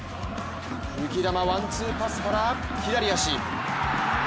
浮き球ワンツーパスから、左足。